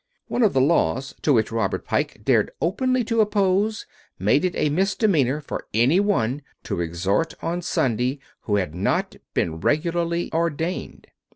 One of the laws which Robert Pike dared openly to oppose made it a misdemeanor for any one to exhort on Sunday who had not been regularly ordained.